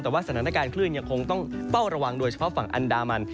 แต่ว่าสถานการณ์คลื่นยังคงต้องเฝ้าระวังโดยเฉพาะฝั่งอันดามัน